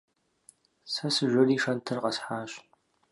Сэ сыжэри шэнтыр къэсхьащ.